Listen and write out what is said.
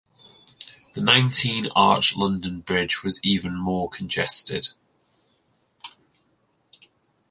The nineteen-arch London Bridge was even more congested.